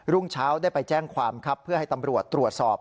รุ่งเช้าได้ไปแจ้งความครับเพื่อให้ตำรวจตรวจสอบ